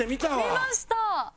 見ました！